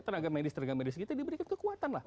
tenaga medis tenaga medis kita diberikan kekuatan lah